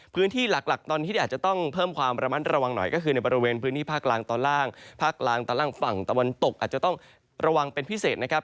พื้นที่หลักตอนนี้ที่อาจจะต้องเพิ่มความระมัดระวังหน่อยก็คือในบริเวณพื้นที่ภาคล่างตอนล่างภาคกลางตอนล่างฝั่งตะวันตกอาจจะต้องระวังเป็นพิเศษนะครับ